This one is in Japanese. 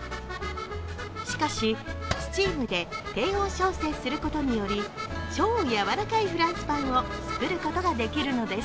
しかしスチームで、低温焼成することにより、超やわらかいフランスパンを作ることができるのです。